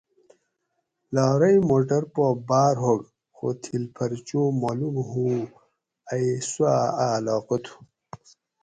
لارئ موٹر پا بار ھوگ خو تھِل پھر چو مالوم ھؤوں ائ سوا اۤ علاقہ تھو